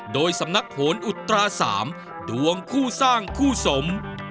โดยสำนักโหนอุตรา๓ดวงคู่สร้างคู่สม